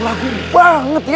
lagu banget ya